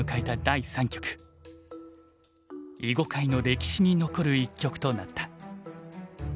囲碁界の歴史に残る一局となった。